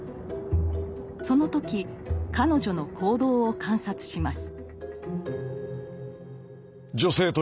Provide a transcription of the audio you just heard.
その時彼女の行動を観察します。